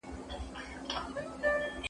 اقتصادي ماهرينو خلګو ته ګټورې مشورې ورکولې.